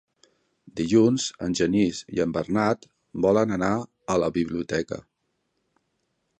Dilluns en Genís i en Bernat volen anar a la biblioteca.